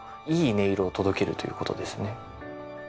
いい音色を届けるということですね。